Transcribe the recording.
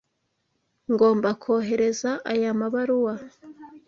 Ngomba kohereza aya mabaruwa.